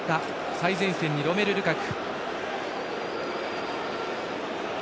最前線にロメル・ルカク。